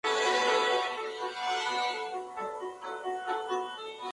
La relación entre los medios y los fines se debilitan.